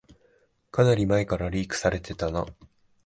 かなり前からリークされてたな